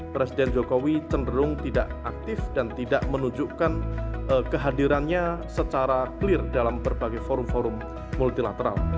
presiden jokowi cenderung tidak aktif dan tidak menunjukkan kehadirannya secara clear dalam berbagai forum forum multilateral